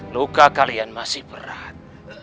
luka kalian masih berat